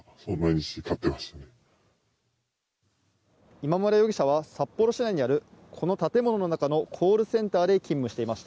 今村容疑者は札幌市内にあるこの建物の中のコールセンターで勤務していました。